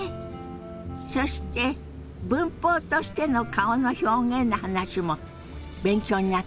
そして文法としての顔の表現の話も勉強になったでしょ？